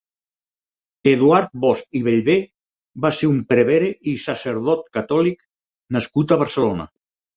Eduard Bosch i Bellver va ser un prevere i sacerdot catòlic nascut a Barcelona.